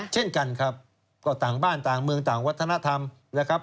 เช่นกันครับก็ต่างบ้านต่างเมืองต่างวัฒนธรรมนะครับ